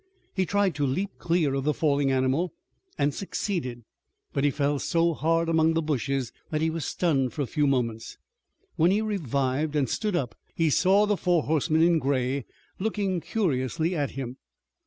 He tried to leap clear of the falling animal, and succeeded, but he fell so hard among the bushes that he was stunned for a few moments. When he revived and stood up he saw the four horsemen in gray looking curiously at him.